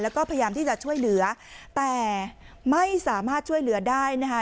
แล้วก็พยายามที่จะช่วยเหลือแต่ไม่สามารถช่วยเหลือได้นะคะ